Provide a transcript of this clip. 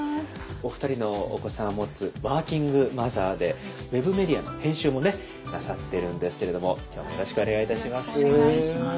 お二人のお子さんをもつワーキングマザーでウェブメディアの編集もねなさってるんですけれども今日もよろしくお願いいたします。